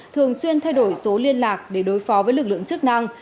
thường xuyên thay đổi số liên lạc để đối phó với lực lượng chức năng